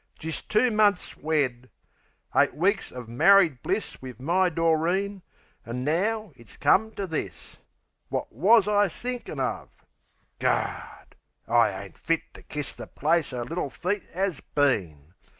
Jist two months wed! Eight weeks uv married bliss Wiv my Doreen, an' now it's come to this! Wot wus I thinkin' uv? Gawd! I ain't fit To kiss the place 'er little feet 'as been!